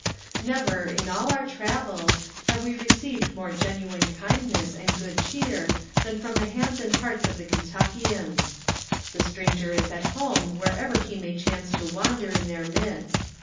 Never, in all our travels, have we received more genu ine kindness and good ch^er, than from the hands and hearts of the Kentnckians. The stranger is at home wherever he may chance to wander in their midst.